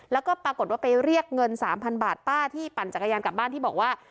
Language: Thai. แล้วก็ปรากฏว่าไปเรียกเงิน๓๐๐บาทป้าที่ปั่นจักรยานกลับบ้านที่บอกว่า